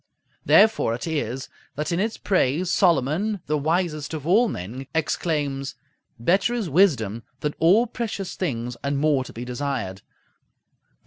Therefore it is that in its praise, Solomon, the wisest of all men, exclaims, "Better is wisdom than all precious things, and more to be desired" (Prov.